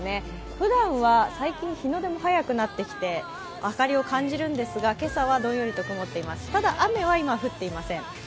ふだんは最近日の出も早くなってきて、明かりを感じるんですが今朝はどんよりと曇っています、ただ雨は今、降っていません。